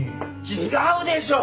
違うでしょ！